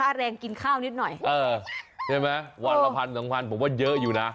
ค่าแรงกินข้าวนิดหน่อยใช่ไหมวันละ๑๐๐๐๒๐๐๐ผมว่าเยอะอยู่นะ